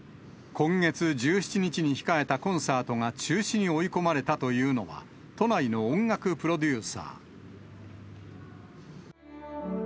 今月１７日に控えたコンサートが中止に追い込まれたというのは、都内の音楽プロデューサー。